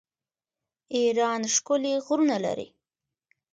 ایران ښکلي غرونه لري.